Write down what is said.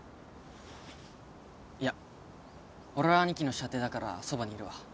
いや俺はアニキの舎弟だからそばにいるわ。